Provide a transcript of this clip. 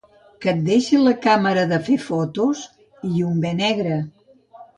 Que et deixi la càmera de fer fotos? I un be negre!